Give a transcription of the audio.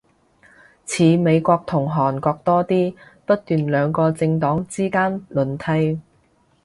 似美國同韓國多啲，不斷兩個政黨之間輪替